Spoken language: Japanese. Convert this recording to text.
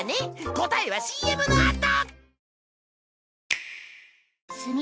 答えはＣＭのあと。